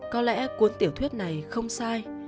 có lẽ cuốn tiểu thuyết này không sai